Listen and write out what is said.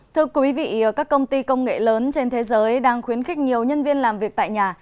thưa quý vị các công ty công nghệ lớn trên thế giới đang khuyến khích nhiều nhân viên làm việc tại nhà